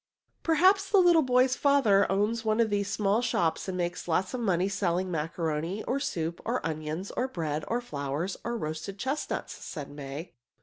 "Perhaps the little boy's father owns one of these small shops and makes lots of money selling macaroni, or soup, or onions, or bread, or flowers, or roasted chestnuts," said May.